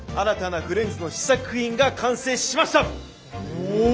お。